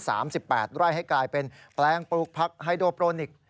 ไล่ให้กลายเป็นแปลงปลูกผักไฮโดโปรนิค